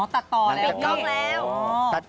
อ๋อตัดต่อเสร็จหมดแล้ว